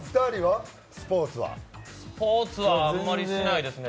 スポーツはあまりしないですね。